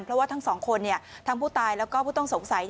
เพราะว่าทั้งสองคนทั้งผู้ตายแล้วก็ผู้ต้องสงสัย